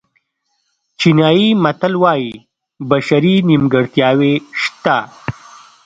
چینایي متل وایي بشري نیمګړتیاوې شته.